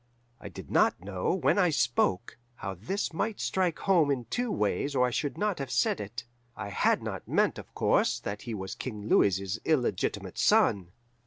"I did not know, when I spoke, how this might strike home in two ways or I should not have said it. I had not meant, of course, that he was King Louis's illegitimate son.